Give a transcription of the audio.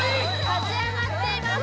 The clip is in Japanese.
立ち上がっています